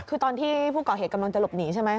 คือตอนที่ผู้ก่อเหตุกำลังจะหลบหนีใช่ไหม